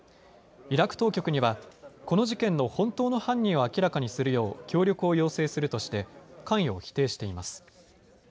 イラク当局にはこの事件の本当の犯人を明らかにするよう協力を要請するとして関与を否定しています。